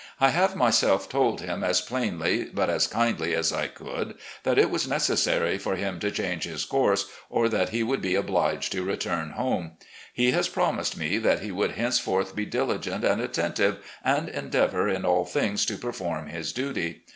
I have myself told him as plainly but as kindly as I could that it was necessary 296 RECOLLECTIONS OF GENERAL LEE for liim to change his course, or that he would be obliged to return home. He has promised me that he would henceforth be diligent and attentive, and endeavour in all things to perform his duty.